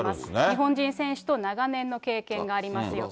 日本人選手と長年の経験がありますよと。